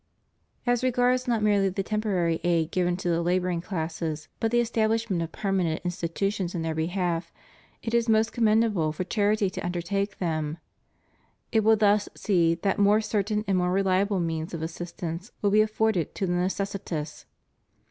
As regards not merely the temporary aid given to the laboring classes, but the establishment of permanent in stitutions in their behalf, it is most commendable for charity to undertake them. It will thus see that more certain and more reliable means of assistance will be afforded to the necessitous.